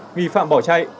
nghi phạm bỏ chạy